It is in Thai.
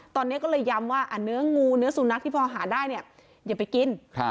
ตอนนี้ก็เลยย้ำว่าเนื้องูเนื้อสุนัขที่พอหาได้เนี่ยอย่าไปกิน